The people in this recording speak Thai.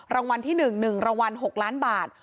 รางวัลที่๑๑รางวัล๖ล้านบาท